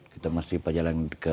kita masih berjalan ke